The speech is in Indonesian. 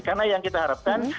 karena yang kita harapkan